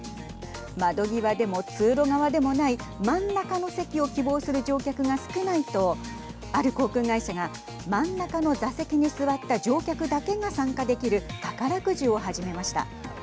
窓際でも通路側でもない真ん中の席を希望する乗客が少ないとある航空会社が真ん中の座席に座った乗客だけが参加できる宝くじを始めました。